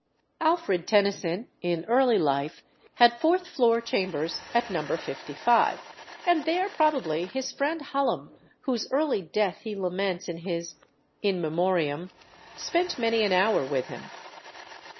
Alfred Tennyson in early life had fourth floor chambers at No. 55, and there probably his friend Hallam, whose early death he laments in his In Memoriam spent many an hour with him.